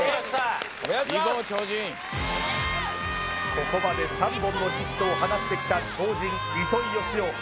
ここまで３本のヒットを放ってきた超人糸井嘉男